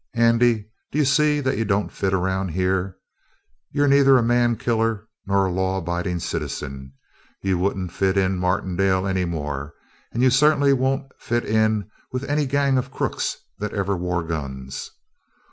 Andy, d'you see that you don't fit around here? You're neither a man killer nor a law abidin' citizen. You wouldn't fit in Martindale any more, and you certainly won't fit with any gang of crooks that ever wore guns.